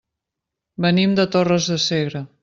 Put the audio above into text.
Venim de Torres de Segre.